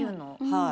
はい。